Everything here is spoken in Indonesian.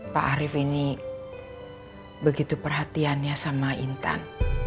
pak arief ini begitu perhatiannya sama intan